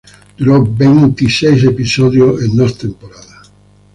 Duró veinte y seis episodios en dos temporadas.